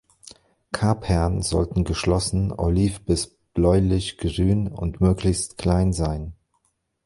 Kapern sollten geschlossen, oliv- bis bläulichgrün und möglichst klein sein.